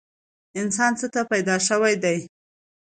انسان څه ته پیدا شوی دی؟